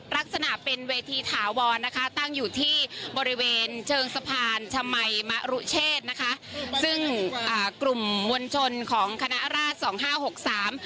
ลักษณะเป็นเวทีถาวรนะคะตั้งอยู่ที่บริเวณเชิงสะพานชมัยมรุเชษนะคะซึ่งอ่ากลุ่มมวลชนของคณะราชสองห้าหกสาม